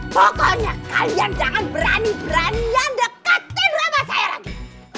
pokoknya kalian jangan berani beranian dekatin rambah saya lagi